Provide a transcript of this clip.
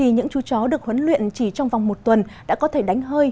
những chú chó được huấn luyện chỉ trong vòng một tuần đã có thể đánh hơi